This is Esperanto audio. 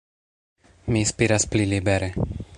Mi spiras pli libere.